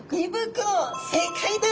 正解です！